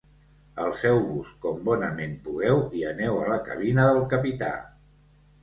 Alceu-vos com bonament pugueu i aneu a la cabina del capità.